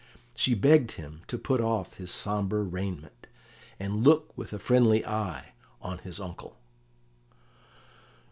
She begged him to put off his sombre raiment, and look with a friendly eye on his uncle.